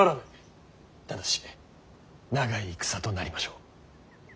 ただし長い戦となりましょう。